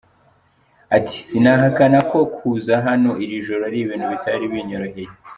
Ati “Sinahakana ko kuza hano iri joro ari ibintu bitari binyoroheye.